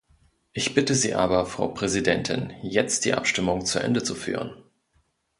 Ich bitte Sie aber, Frau Präsidentin, jetzt die Abstimmung zu Ende zu führen.